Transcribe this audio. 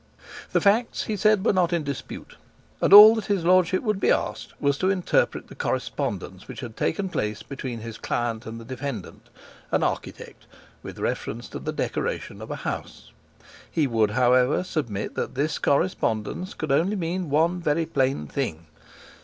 The facts, he said, were not in dispute, and all that his Lordship would be asked was to interpret the correspondence which had taken place between his client and the defendant, an architect, with reference to the decoration of a house. He would, however, submit that this correspondence could only mean one very plain thing.